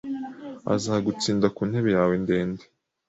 Azagutsinda ku ntebe yawe ndende '